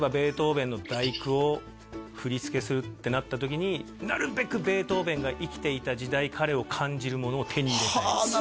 例えばを振り付けするってなった時になるべくベートーヴェンが生きていた時代彼を感じるものを手に入れたいはあ